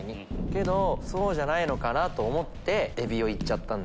けどそうじゃないのかなと思ってエビをいっちゃったんで。